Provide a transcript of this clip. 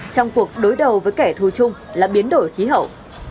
trong cuộc đối đầu với kẻ thù chung là biến đổi khí hậu